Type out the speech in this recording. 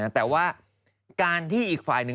แต่ว่าการที่อีกฟัยนึง